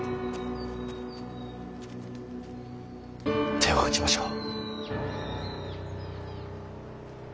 手を打ちましょう。